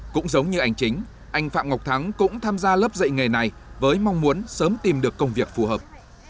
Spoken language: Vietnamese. cũng giống như anh chính anh phạm ngọc thắng cũng tham gia lớp dạy nghề này với mong muốn sớm tìm được công việc phù hợp